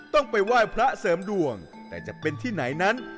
ต้องไปไหว้พระเสริมดวงแต่จะเป็นที่ไหนนั้น